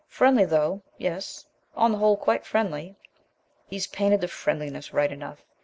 Friendly though yes, on the whole quite friendly. He's painted the friendliness right enough.